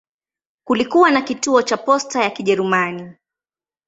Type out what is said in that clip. Kulikuwa na kituo cha posta ya Kijerumani.